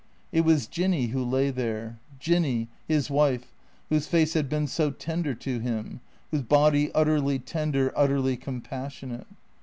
It was Jinny who lay there, Jinny, his wife, whose face had been so tender to him, whose body ut terly tender, utterly compassionate.